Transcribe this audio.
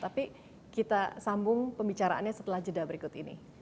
tapi kita sambung pembicaraannya setelah jeda berikut ini